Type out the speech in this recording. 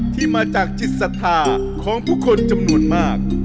ที่มาจากจิตศรัทธาของผู้คนจำนวนมาก